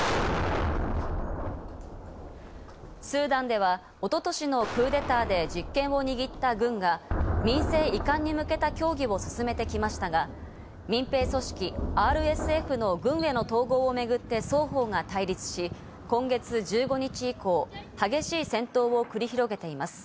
スーダンでは一昨年のクーデターで実権を握った軍が民政移管に向けた協議を進めてきましたが、民兵組織ＲＳＦの軍への統合をめぐって双方が対立し、今月１５日以降、激しい戦闘を繰り広げています。